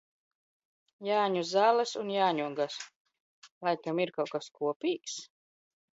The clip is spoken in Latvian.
Jāņu zāles un jāņogas. Laikam ir kaut kas kopīgs?